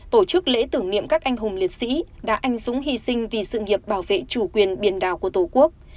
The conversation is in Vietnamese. tổ chức lễ tưởng niệm các anh hùng liệt sĩ đã anh dũng hy sinh vì sự nghiệp bảo vệ chủ quyền biển đảo của tổ quốc